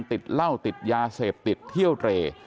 ติดเหล้าติดยาเสพติดเที่ยวเตร